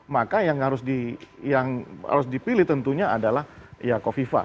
maka yang harus dipilih tentunya adalah ya kofifa